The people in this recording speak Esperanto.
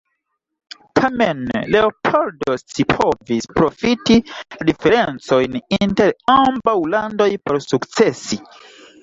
Tamen, Leopoldo scipovis profiti la diferencojn inter ambaŭ landoj por sukcesi.